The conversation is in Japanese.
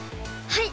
はい。